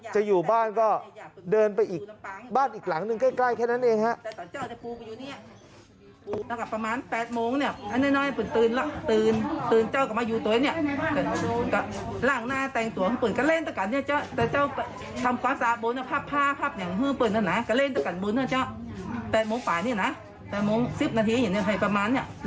จะอยู่บ้านก็เดินไปอีกบ้านอีกหลังหนึ่งใกล้แค่นั้นเองฮะ